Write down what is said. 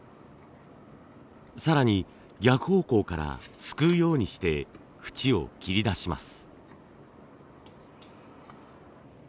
更に逆方向からすくうようにして縁を切り出します。